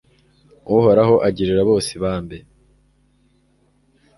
Uhoraho agirira bose ibambe